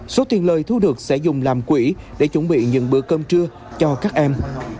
số tiền lời thu được sẽ dùng làm quỹ để chuẩn bị những bữa cơm trưa cho các em